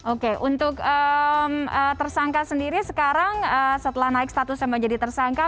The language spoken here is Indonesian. oke untuk tersangka sendiri sekarang setelah naik statusnya menjadi tersangka